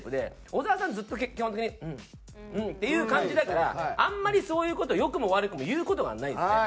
小澤さんずっと基本的に「うんうん」っていう感じだからあんまりそういう事を良くも悪くも言う事がないんですね。